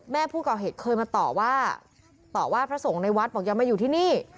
แม่ผู้ก่อเหตุเคยมาต่อว่าต่อว่าพระสงฆ์ในวัดบอกอย่ามาอยู่ที่นี่